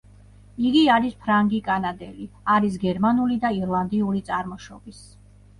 იგი არის ფრანგი კანადელი, არის გერმანული და ირლანდიური წარმოშობის.